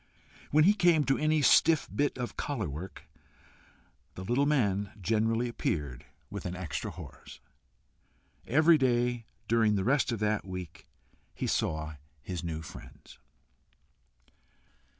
When he came to any stiff bit of collar work, the little man generally appeared with an extra horse. Every day during the rest of that week he saw his new friends.